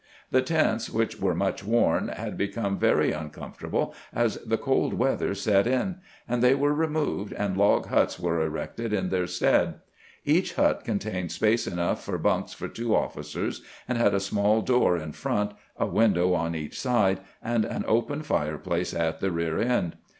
The tents, which were much worn, had become very uncomfortable as the cold weather set in; and they were removed, and log huts were erected in their stead. Each hut contained space enough for bunks for two officers, and had a small door in front, a window on each side, and an open fire place at the rear end.